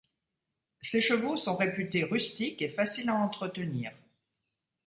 Ces chevaux sont réputés rustiques et faciles à entretenir.